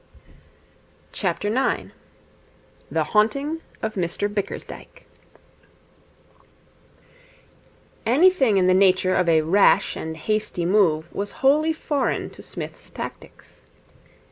The Haunting of Mr Bickersdyke Anything in the nature of a rash and hasty move was wholly foreign to Psmith's tactics.